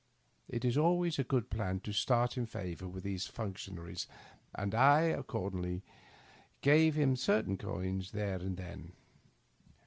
It is always a good plan to start in favor with those fiinctionaries, and I accordingly gave him certain coins there and then.